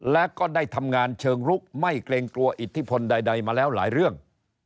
และก็ได้ทำงานเชิงลุกไม่เกรงกลัวอิทธิพลใดมาแล้วหลายเรื่อง